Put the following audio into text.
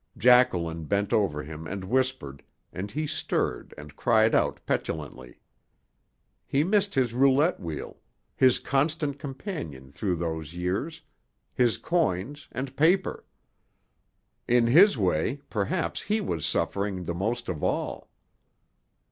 Jacqueline bent over him and whispered, and he stirred and cried out petulantly. He missed his roulette wheel, his constant companion through those years, his coins, and paper. In his way perhaps he was suffering the most of all.